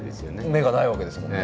芽がないわけですもんね。